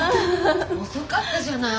遅かったじゃない。